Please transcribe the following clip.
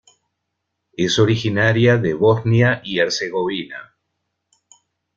Es originaria de Bosnia y Herzegovina.